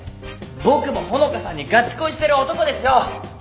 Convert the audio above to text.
僕も穂香さんにがち恋してる男ですよ！